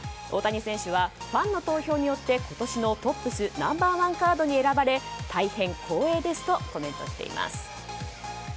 大谷選手はファンの投票によって今年のＴｏｐｐｓナンバー１カードに選ばれ大変光栄ですとコメントしています。